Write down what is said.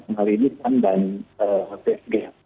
malini pan dan psg